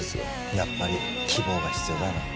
やっぱり希望が必要だよな